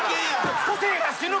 個性が死ぬ。